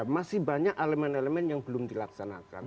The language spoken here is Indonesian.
masih banyak elemen elemen yang belum dilaksanakan